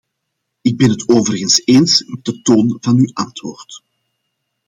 Ik ben het overigens eens met de toon van uw antwoord.